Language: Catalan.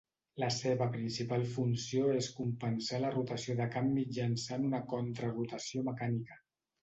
La seva principal funció és compensar la rotació de camp mitjançant una contra-rotació mecànica.